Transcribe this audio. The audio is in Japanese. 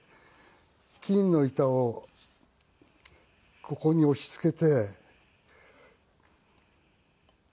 金の板をここに押しつけて。